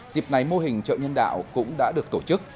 dịp này mô hình chợ nhân đạo cũng đã được tổ chức